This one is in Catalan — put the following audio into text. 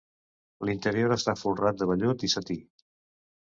L'interior està folrat de vellut i setí.